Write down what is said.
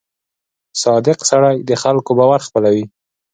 • صادق سړی د خلکو باور خپلوي.